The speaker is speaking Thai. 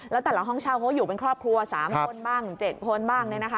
แล้วแต่ละห้องเช่าเขาก็อยู่เป็นครอบครัว๓คนบ้าง๗คนบ้าง